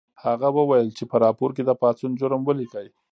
هغه وویل چې په راپور کې د پاڅون جرم ولیکئ